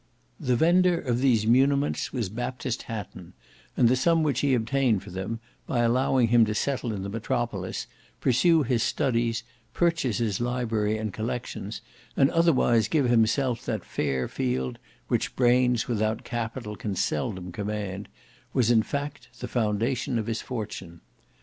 The vendor of these muniments was Baptist Hatton, and the sum which he obtained for them, by allowing him to settle in the metropolis, pursue his studies, purchase his library and collections, and otherwise give himself that fair field which brains without capital can seldom command, was in fact the foundation of his fortune.